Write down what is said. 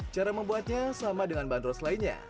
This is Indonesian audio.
cara membuatnya sama dengan bandros lainnya